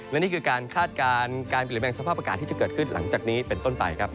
และนี่คือการคาดการณ์การเปลี่ยนแปลงสภาพอากาศที่จะเกิดขึ้นหลังจากนี้เป็นต้นไปครับ